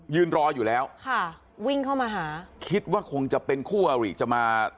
ยืนรออยู่แล้วค่ะวิ่งเข้ามาหาคิดว่าคงจะเป็นคู่อริจะมา